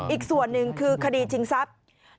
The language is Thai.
อีกส่วน๑คือขาดีจิงทรัพย์